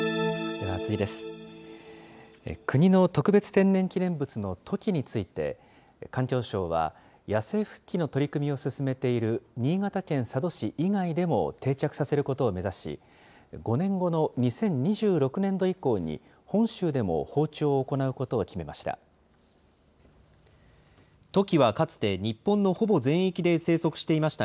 国の特別天然記念物のトキについて、環境省は、野生復帰の取り組みを進めている新潟県佐渡市以外でも定着させることを目指し、５年後の２０２６年度以降に、本州でも放鳥を行うことを決めました。